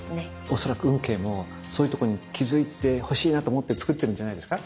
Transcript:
恐らく運慶もそういうとこに気付いてほしいなと思ってつくってるんじゃないですか？